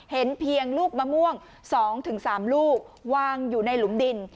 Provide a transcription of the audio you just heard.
เห็นเพียงลูกมะม่วง๒๓ลูกวางอยู่ในหลุมดิน